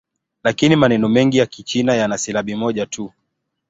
Lakini maneno mengi ya Kichina yana silabi moja tu.